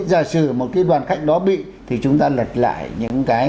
giả sử một cái đoàn khách đó bị thì chúng ta lật lại những cái